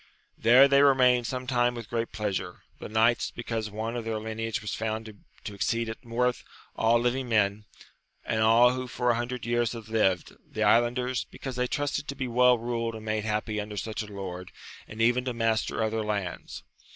There they remained some time with great pleasure ; the knights, because one of their lineage was found to exceed in worth aU living men, and all who for a hundred years had lived: the islanders, because they trusted to be well ruled and made happy under such a lord, and even to master other lands.